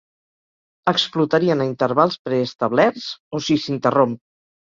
Explotarien a intervals preestablerts o si s'interromp.